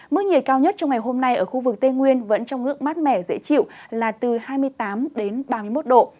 mức nhiệt cao nhất trong ngày hôm nay ở khu vực tây nguyên vẫn trong ngưỡng mát mẻ dễ chịu là từ hai mươi tám ba mươi một độ